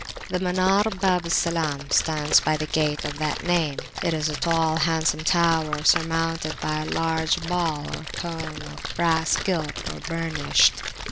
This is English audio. The Munar Bab al Salam stands by the gate of that name: it is a tall, handsome tower, surmounted by a large ball or cone[FN#71] of brass gilt or burnished.